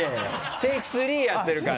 テイク３やってるから。